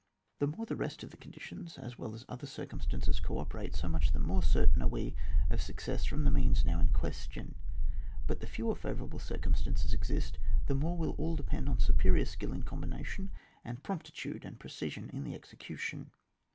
The more the rest of the conditions, as well as other circum stances, co operate, so much the more certain are we of success from the means now in question ; but the fewer favour able circumstances exist, the more will all depend on superior skill in combina tion, and promptitude and precision in the execution.